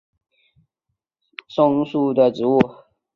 鸡冠子花是列当科马先蒿属的植物。